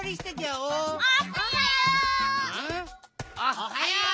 おはよう！